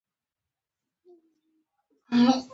پکتیکا د افغانستان یوه طبیعي ځانګړتیا ده.